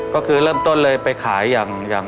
ก็คือเริ่มต้นเลยไปขายอย่าง